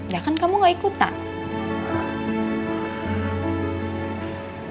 ya kan kamu gak ikutan